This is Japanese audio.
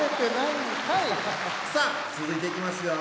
さあ続いていきますよ